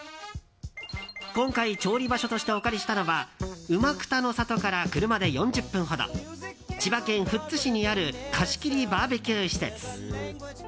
今回、調理場所としてお借りしたのはうまくたの里から車で４０分ほど千葉県富津市にある貸し切りバーベキュー施設。